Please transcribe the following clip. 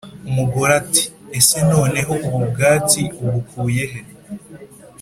Umugore ati « ese noneho ubu bwatsi ubukuye he ?»